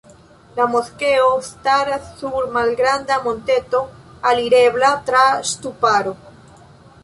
La moskeo staras sur malgranda monteto alirebla tra ŝtuparo.